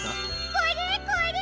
これこれ！